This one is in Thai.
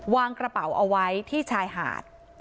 วางกระเป๋าเอาไว้ที่ชายหาด